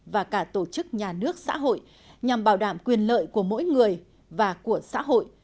và cả tổ chức nhà nước xã hội nhằm bảo đảm quyền lợi của mỗi người và của xã hội